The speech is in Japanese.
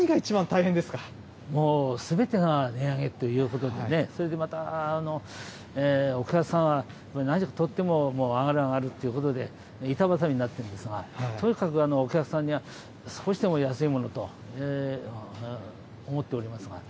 もうすべてが値上げというほどにね、それでまた、お客さんはとっても上がる上がるということで、板挟みになっていますが、とにかくお客さんに少しでも安いものをと思っておりますが。